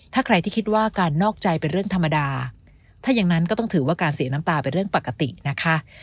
ถ้าใครที่คิดว่าการนอกใจเป็นเรื่องธรรมดาถ้าอย่างนั้นก็ต้องถือว่าการเสียน้ำตาเป็นเรื่องปกตินะคะ